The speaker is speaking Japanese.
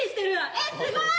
えっすごい。